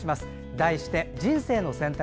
題して「人生の選択」。